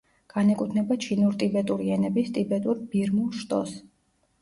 განეკუთვნება ჩინურ-ტიბეტური ენების ტიბეტურ-ბირმულ შტოს.